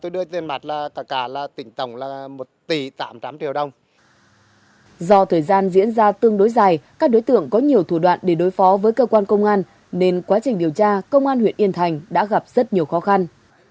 do thời gian diễn ra tương đối dài các đối tượng có nhiều thủ đoạn để đối phó với cơ quan công an nên quá trình điều tra công an huyện yên thành đã gặp rất nhiều khó khăn